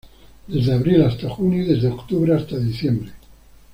Desde abril hasta junio y desde octubre hasta diciembre.